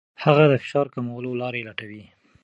هغه د فشار کمولو لارې لټوي.